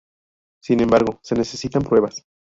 Sin embargo, se necesitan pruebas.